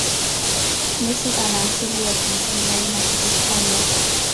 Messi ana asili ya kiitaliano na kihispania